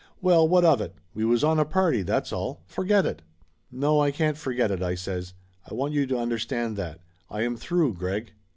Well, what of it? We was on a party, that's all! Forget it." "No, I can't forget it," I says. "I want you to understand that. I am through, Greg."